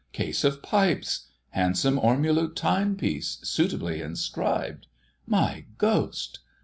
"Case of pipes.... Handsome ormulu timepiece, suitably inscribed. My Ghost!